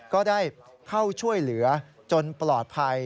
ก็ได้เข้าช่วยเหลือจนปลอดภัย